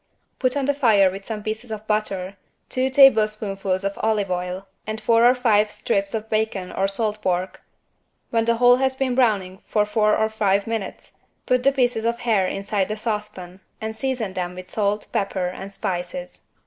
Put on the fire with some pieces of butter, two tablespoonfuls of olive oil and four or five strips of bacon or salt pork, when the whole has been browning for four or five minutes, put the pieces of hare inside the saucepan and season them with salt, pepper and spices.